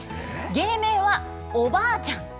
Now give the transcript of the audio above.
芸名は、おばあちゃん。